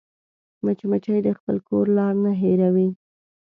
مچمچۍ د خپل کور لار نه هېروي